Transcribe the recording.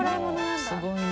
すごいね。